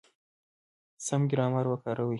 سم ګرامر وکاروئ!.